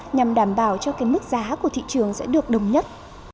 nhằm đảm bảo cho cái mức giá của thị trường sẽ được đồng nhất